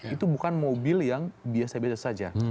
itu bukan mobil yang biasa biasa saja